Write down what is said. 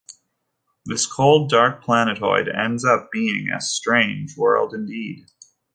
This cold, dark planetoid ends up being a strange world indeed.